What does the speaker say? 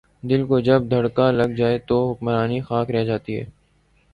دل کو جب دھڑکا لگ جائے تو حکمرانی خاک رہ جاتی ہے۔